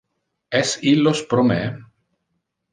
Es illos pro me?